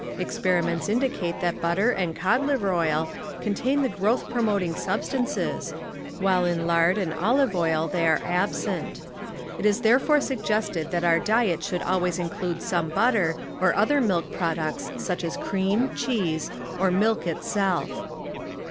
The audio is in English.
Experiments indicate that butter and cod liver oil contain the growth promoting jsubstanees, while in lard and olive oil they are absent. It is therefore suggested that our diet should always include some butter or other milk products sudi as cream, cheese or milk itself.